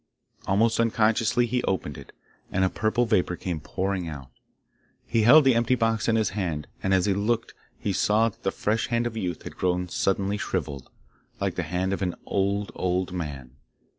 Almost unconsciously he opened it, and a purple vapour came pouring out. He held the empty box in his hand, and as he looked he saw that the fresh hand of youth had grown suddenly shrivelled, like the hand of an old, old man.